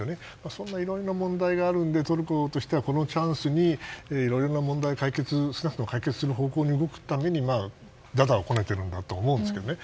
そんないろんな問題があるのでトルコとしては、このチャンスにいろんな問題を解決する方向に動くために駄々をこねてるんだと思うんですよね。